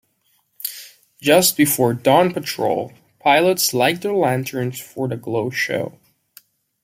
Just before Dawn Patrol, pilots light their lanterns for the Glow Show.